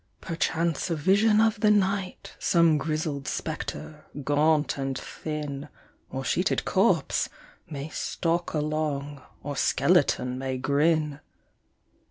Perchance a vision of the night, Some grizzled spectre, gaunt and thin, Or sheeted corpse, may stalk along, Or skeleton may grin.